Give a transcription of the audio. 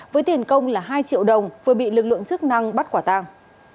với tiền công là hai triệu đồng vừa bị lực lượng chức năng bắt quả tàng